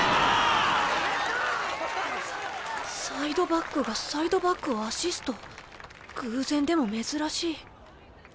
サイドバックがサイドバックをアシスト偶然でも珍しい。